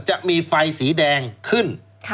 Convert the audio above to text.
จะมีไฟสีแดงขึ้น